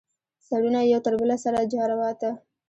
سرونه یې یو تر بله سره جارواته.